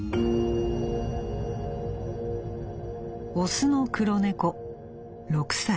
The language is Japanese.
「オスの黒猫六歳。